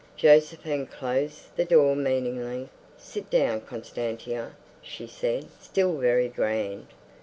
Josephine closed the door meaningly. "Sit down, Constantia," she said, still very grand.